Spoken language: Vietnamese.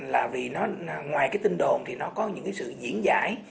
là vì nó ngoài cái tinh đồn thì nó có những cái sự diễn giải